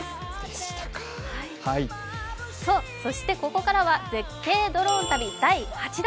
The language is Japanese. そしてここからは絶景ドローン旅第８弾。